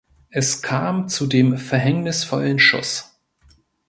Es kam zu dem verhängnisvollen Schuss.